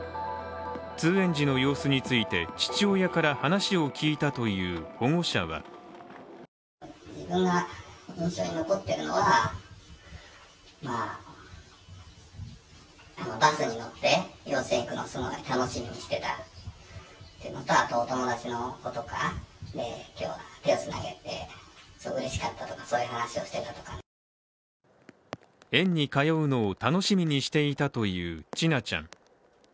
通園時の様子について父親から話を聞いたという保護者は園に通うのを楽しみにしていたという千奈ちゃん。